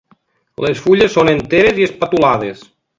Les fulles són enteres i espatulades.